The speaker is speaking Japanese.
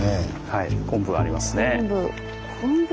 はい昆布がありますね。